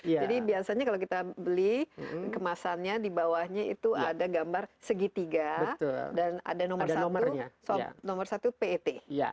jadi biasanya kalau kita beli kemasannya dibawahnya itu ada gambar segitiga dan ada nomor satu pet